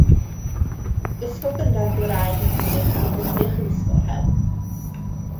Ysgol gynradd Gymraeg yn Rhuthun, Sir Ddinbych, yw Ysgol Rhewl.